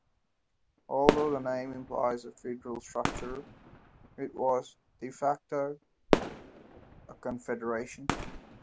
Although the name implies a federal structure, it was "de facto" a confederation.